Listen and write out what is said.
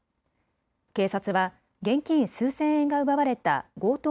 警察は現金数千円が奪われた強盗